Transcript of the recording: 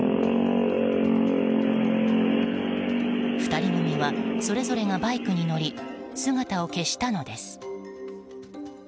２人組はそれぞれがバイクに乗り姿を消したのです。